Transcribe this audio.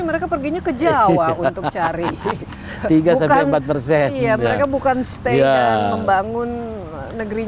mereka bukan stay dan membangun negerinya sendiri